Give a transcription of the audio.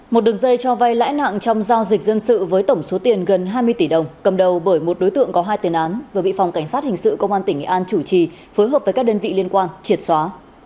một đường dây cho vay lãi nặng trong giao dịch dân sự với tổng số tiền gần hai mươi tỷ đồng cầm đầu bởi một đối tượng có hai tiền án vừa bị phòng cảnh sát hình sự công an tỉnh nghệ an chủ trì phối hợp với các đơn vị liên quan triệt xóa